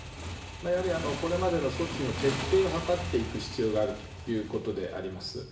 やはりこれまでの措置の徹底を図っていく必要があるということであります。